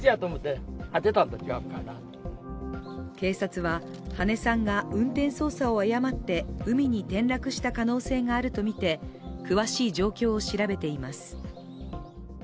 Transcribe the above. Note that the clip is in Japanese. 警察は羽根さんが運転操作を誤って海に転落した可能性があるとみて詳しい状況を調べています。